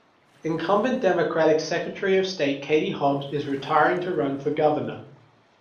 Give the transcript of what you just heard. Incumbent Democratic Secretary of State Katie Hobbs is retiring to run for governor.